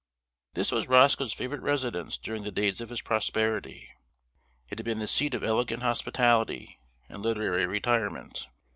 This was Roscoe's favorite residence during the days of his prosperity. It had been the seat of elegant hospitality and literary retirement.